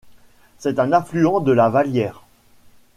C'est un affluent de la Vallière.